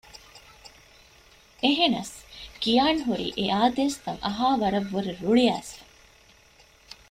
އެހެނަސް ކިޔާންހުރީ އެއާދޭސްތައް އަހާވަރަށްވުރެ ރުޅިއައިސްފަ